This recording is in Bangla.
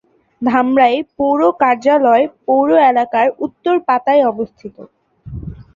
ধামরাই পৌর কার্য্যালয় পৌর এলাকার উত্তরপাতায় অবস্থিত।